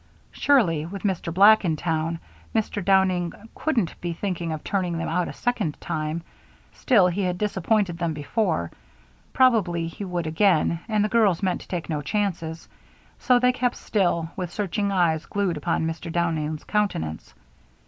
Surely, with Mr. Black in town, Mr. Downing couldn't be thinking of turning them out a second time; still, he had disappointed them before, probably he would again, and the girls meant to take no chances. So they kept still, with searching eyes glued upon Mr. Downing's countenance.